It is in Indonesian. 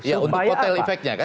untuk hotel efeknya kan